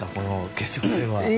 決勝戦は。